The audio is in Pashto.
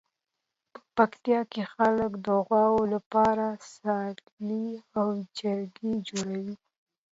په پکتیکا کې خلک د غواوو لپاره څالې او جارګې جوړوي.